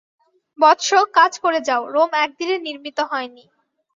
বৎস, কাজ করে যাও, রোম একদিনে নির্মিত হয়নি।